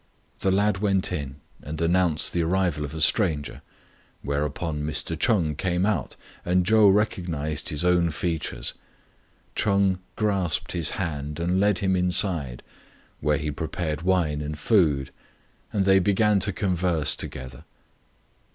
The lad went in and announced the arrival of a stranger, whereupon Mr. Ch'eng came out, and Chou recognised his own features. Ch'eng grasped his hand and led him inside, where he prepared wine and food, and they began to converse together.